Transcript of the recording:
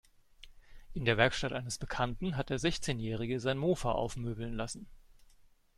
In der Werkstatt eines Bekannten hat der Sechzehnjährige sein Mofa aufmöbeln lassen.